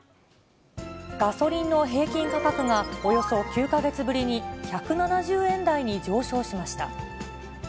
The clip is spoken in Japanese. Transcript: ガソリンの平均価格がおよそ９か月ぶりに１７０円台に上昇しました。